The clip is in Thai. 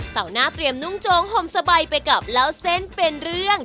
เสาร์หน้าเตรียมนุ่งโจงห่มสบายไปกับเล่าเส้นเป็นเรื่อง